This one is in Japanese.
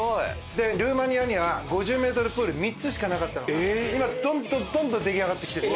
でルーマニアには５０メートルプール３つしかなかったのが今どんどんどんどん出来上がってきてる。